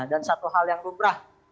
dan satu hal yang lubrah